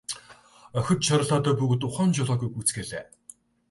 Охид чарлаад л бүгд ухаан жолоогүй гүйцгээлээ.